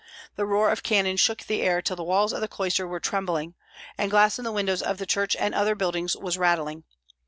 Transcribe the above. The roar of cannon shook the air till the walls of the cloister were trembling, and glass in the windows of the church and other buildings was rattling.